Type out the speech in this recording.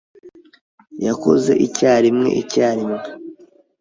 Yakoze icyarimwe icyarimwe.